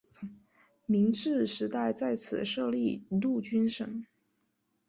明治时代在此设立陆军省。